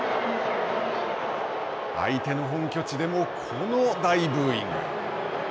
相手の本拠地でもこの大ブーイング。